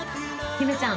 姫ちゃん